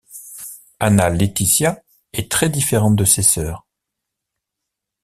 Ana Leticia est très différente de ses sœurs.